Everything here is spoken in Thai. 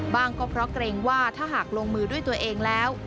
ก็เพราะเกรงว่าถ้าหากลงมือด้วยตัวเองแล้ว